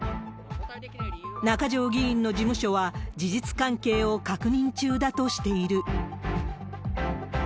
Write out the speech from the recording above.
中条議員の事務所は、事実関係を確認中だとしている。